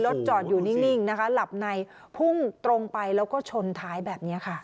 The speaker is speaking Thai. จอดอยู่นิ่งนะคะหลับในพุ่งตรงไปแล้วก็ชนท้ายแบบนี้ค่ะ